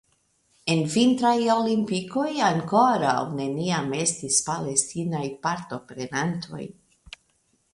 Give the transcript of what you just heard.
En vintraj olimpikoj ankoraŭ neniam estis Palestinaj partoprenantoj.